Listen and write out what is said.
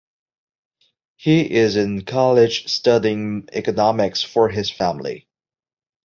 He is in college studying economics for his family.